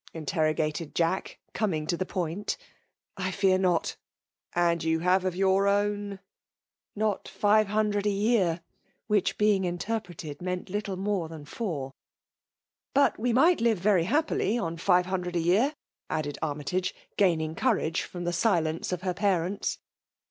interro gated Jack, coming to the point. F1CMAL.K I>OBCrNATI0N. 55 " I fear notr " And you have of your own —•"" Not five handred a year" (which, being interpreted, meant little more than four); ''hut we might live yery happilj on ire hondied a year/' added Azmytage^ guning courage &om the silence of the parents.